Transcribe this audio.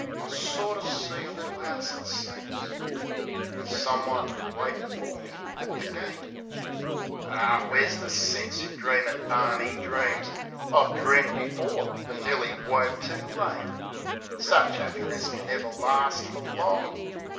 I sorter see a little 'ouse, it seems, Wiv someone waitin' for me at the gate ... Ar, where's the sense in dreamin' barmy dreams. I've dreamed before, and nearly woke too late. Sich 'appiness could never last fer long.